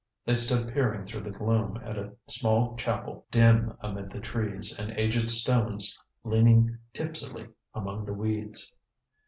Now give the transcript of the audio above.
They stood peering through the gloom at a small chapel dim amid the trees, and aged stones leaning tipsily among the weeds.